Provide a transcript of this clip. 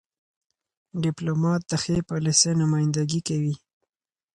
. ډيپلومات د ښې پالیسۍ نمایندګي کوي.